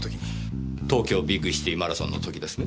東京ビッグシティマラソンの時ですね。